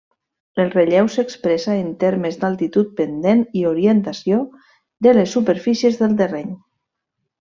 El relleu s'expressa en termes d'altitud, pendent i orientació de les superfícies del terreny.